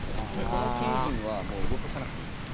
この金銀はもう動かさなくていいです。